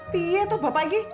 piyet tuh bapak iki